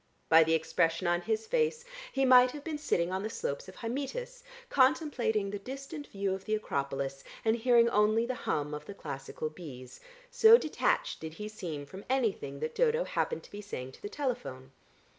By the expression on his face he might have been sitting on the slopes of Hymettus, contemplating the distant view of the Acropolis, and hearing only the hum of the classical bees, so detached did he seem from anything that Dodo happened to be saying to the telephone.